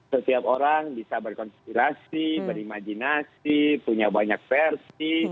setiap orang bisa berkonspirasi berimajinasi punya banyak versi